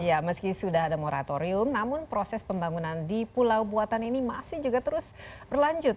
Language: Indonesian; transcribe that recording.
ya meski sudah ada moratorium namun proses pembangunan di pulau buatan ini masih juga terus berlanjut